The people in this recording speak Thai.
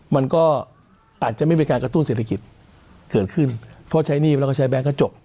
มันก็อาจจะไม่มีการกระตุ้นเศรษฐกิจเกิดขึ้นเพราะใช้หนี้แล้วก็ใช้แบงค์ก็จบ